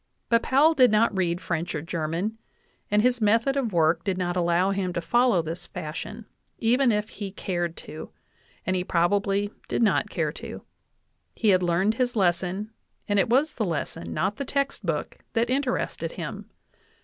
But Powell did not read French or German, and his method of work did not allow him to follow this fashion, even if he had cared to, and he probably did not care to. He had learned his lesson, and it was the lesson, not the text book, that interested him.